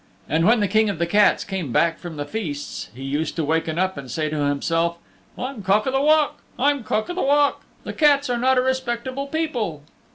And when the King of the Cats came back from the feasts he used to waken up and say to himself, "I'm Cock o' the Walk, I'm Cock o' the Walk. The Cats are not a respectable people."